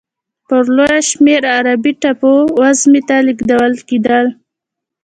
په لویه شمېر عربي ټاپو وزمې ته لېږدول کېدل.